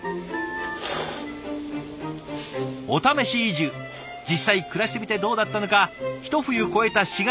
おためし移住実際暮らしてみてどうだったのか一冬越えた４月